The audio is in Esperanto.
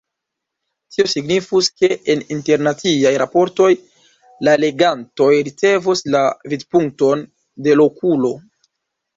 Tio signifus, ke en internaciaj raportoj la legantoj ricevos la vidpunkton de lokulo.